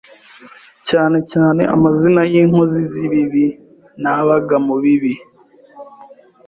cyane cyane amazina y’inkozi zibibi nabaga mubibi